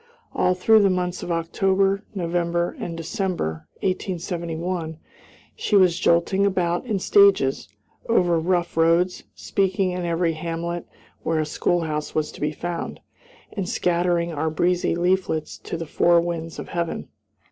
All through the months of October, November, and December, 1871, she was jolting about in stages, over rough roads, speaking in every hamlet where a schoolhouse was to be found, and scattering our breezy leaflets to the four winds of heaven.